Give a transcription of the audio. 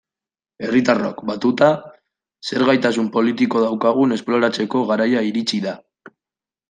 Herritarrok, batuta, zer gaitasun politiko daukagun esploratzeko garaia iritsi da.